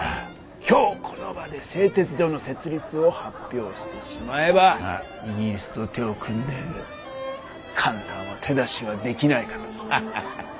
今日この場で製鉄所の設立を発表してしまえばイギリスと手を組んでいる神田も手出しはできないかと。